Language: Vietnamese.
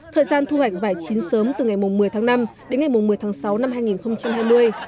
thời gian thu hoạch vải chín sớm từ ngày một mươi tháng năm đến ngày một mươi tháng sáu năm hai nghìn hai mươi